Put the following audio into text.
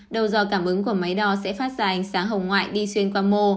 đầu dò cảm ứng của máy đo sẽ phát ra ánh sáng hồng ngoại đi xuyên qua mô